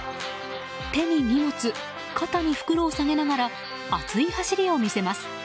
手に荷物、肩に袋を提げながら熱い走りを見せます。